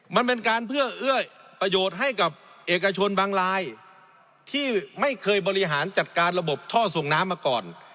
มันเป็นการเพื่อเอื้อประโยชน์ให้กับเอกชนบางลายที่ไม่เคยบริหารจัดการระบบท่อส่งน้ำมาก่อน